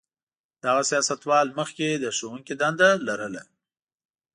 دغه سیاستوال مخکې د ښوونکي دنده لرله.